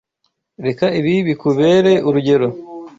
Reka ibi bikubere urugero.